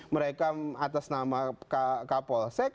mereka atas nama kak polsek